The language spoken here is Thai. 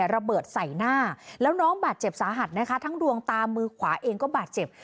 ระเบิดใส่หน้าแล้วน้องบาดเจ็บสาหัสนะคะทั้งดวงตามือขวาเองก็บาดเจ็บ